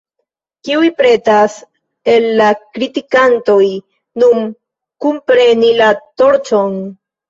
Kiuj pretas, el la kritikantoj, nun kunpreni la torĉon?